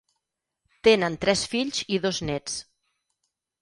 Tenen tres fills i dos néts.